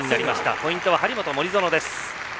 ポイントは張本、森薗です。